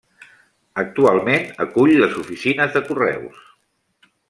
Actualment acull les oficines de Correus.